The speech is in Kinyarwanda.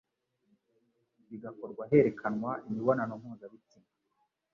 bigakorwa herekanwa imibonano mpuzabitsina